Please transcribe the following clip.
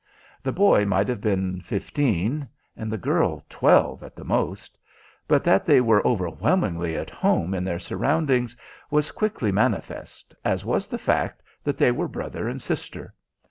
The boy might have been fifteen and the girl twelve at the most; but that they were overwhelmingly at home in their surroundings was quickly manifest, as was the fact that they were brother and sister.